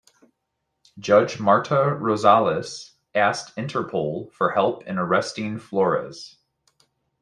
Judge Marta Rosales asked Interpol for help in arresting Flores.